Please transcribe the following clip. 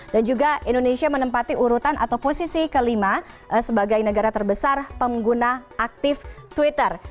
dan juga indonesia menempati urutan atau posisi kelima sebagai negara terbesar pengguna aktif twitter